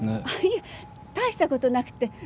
いえ大したことなくて。